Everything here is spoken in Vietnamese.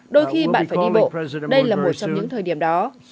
đôi khi bạn phải đi bộ đây là một trong những thời điểm đó